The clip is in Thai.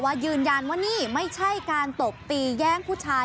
ยืนยันว่านี่ไม่ใช่การตบตีแย่งผู้ชาย